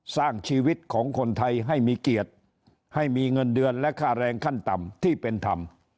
สร้างชีวิตของคนไทยให้มีเกียรติให้มีเงินเดือนและค่าแรงขั้นต่ำที่เป็นธรรม